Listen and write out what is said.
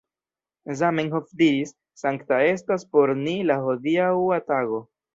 Zamenhof diris: ""Sankta estas por ni la hodiaŭa tago.